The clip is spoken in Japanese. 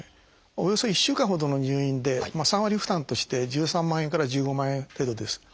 およそ１週間ほどの入院で３割負担として１３万円から１５万円程度です。